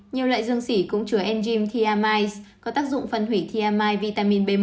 nhiều loại dương sỉ cũng chứa enzyme thiamis có tác dụng phân hủy thiamis vitamin b một